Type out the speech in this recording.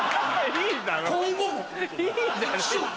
いいだろ！